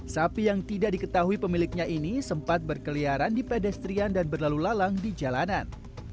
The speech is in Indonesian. sapi yang tidak diketahui pemiliknya ini sempat berkeliaran di pedestrian dan berlalu lalang di jalanan